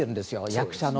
役者の。